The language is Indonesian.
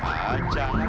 pak udah udah aja